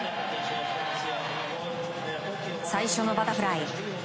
最初のバタフライ。